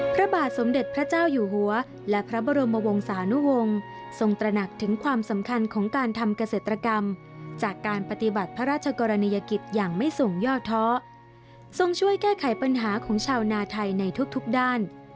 พระบาทสมเด็จพระเจ้าอยู่หัวและพระบรมวงศานุวงศ์ทรงตระหนักถึงความสำคัญของการทำเกษตรกรรมจากการปฏิบัติพระราชกรณียกิจอย่างไม่ส่งย่อท้อทรงช่วยแก้ไขปัญหาของชาวนาไทยในทุกด้าน